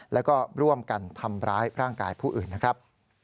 แล้วก็ร่วมกันทำร้ายร่างกายผู้อื่นนะครับ